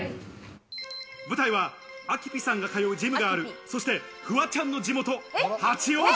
舞台はあきぴさんが通うジムがある、そしてフワちゃんの地元・八王子。